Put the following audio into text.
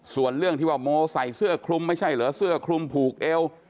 ส่วนเรื่องที่ว่าโมใส่เสื้อคลุมไม่ใช่เหรอเสื้อคลุมผูกเอว